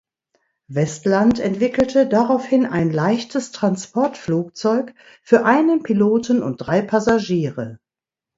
Westland entwickelte daraufhin ein leichtes Transportflugzeug für einen Piloten und drei Passagiere.